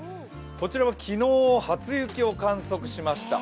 こちら昨日、初雪を観測しました。